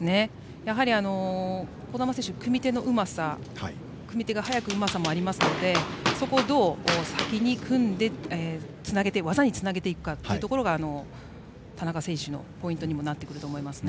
やはり児玉選手組み手が速いうまさもありますのでそこをどう先に組んで技につなげていくかが田中選手のポイントにもなってくると思いますね。